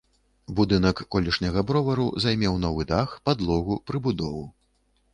Будынак колішняга бровара займеў новы дах, падлогу, прыбудову.